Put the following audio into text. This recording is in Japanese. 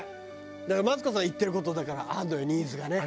だからマツコさんが言ってる事あるのよニーズがね。